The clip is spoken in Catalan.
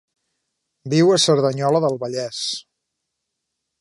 Viu a Cerdanyola del Vallès.